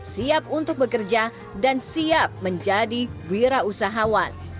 siap untuk bekerja dan siap menjadi wira usahawan